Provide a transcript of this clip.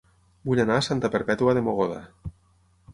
Vull anar a Santa Perpètua de Mogoda